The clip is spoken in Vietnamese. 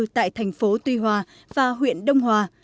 tại thành phố tuy hòa và huyện đông hòa